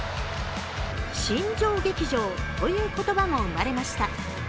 新庄劇場という言葉も生まれました。